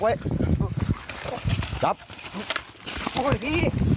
โอ้ยพี่